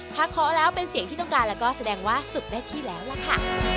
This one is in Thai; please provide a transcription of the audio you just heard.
ถ้าเคาะแล้วเป็นเสียงที่ต้องการแล้วก็แสดงว่าสุกได้ที่แล้วล่ะค่ะ